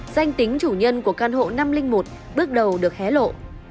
danh tính chủ nhân của căn hộ năm trăm linh một bước đầu được hé lộ